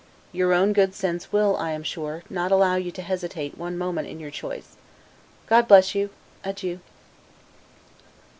Your own good sense will, I am sure, not allow you to hesitate one moment in your choice. God bless you! Adieu.